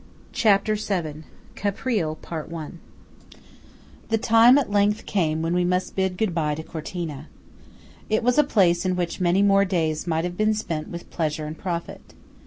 CHAPTER VII. CAPRILE. THE time at length came when we must bid goodbye to Cortina. It was a place in which many more days might have been spent with pleasure and profit.